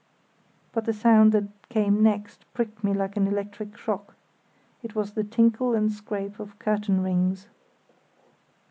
But the sound that came next pricked me like an electric shock; it was the tinkle and scrape of curtain rings.